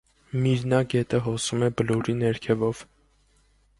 Միրնա գետը հոսում է բլուրի ներքևով։